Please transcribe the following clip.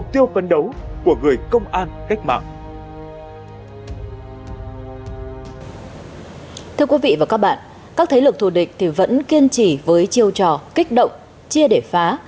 thưa quý vị và các bạn các thế lực thù địch vẫn kiên trì với chiêu trò kích động chia để phá